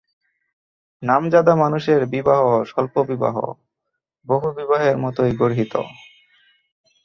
নামজাদা মানুষের বিবাহ স্বল্পবিবাহ, বহুবিবাহের মতোই গর্হিত।